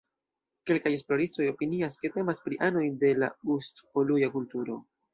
Kelkaj esploristoj opinias, ke temas pri anoj de la Ust-Poluja kulturo.